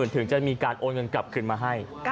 ถึงจะมีการโอนเงินกลับคืนมาให้